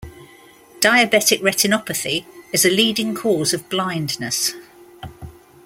Diabetic retinopathy is a leading cause of blindness.